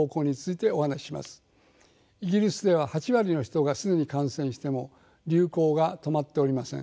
イギリスでは８割の人が既に感染しても流行が止まっておりません。